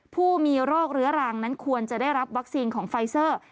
ผู้มีโรคเรื้อรังนั้นควรจะได้รับวัคซีนของไฟเซอร์